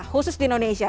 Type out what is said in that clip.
khusus di indonesia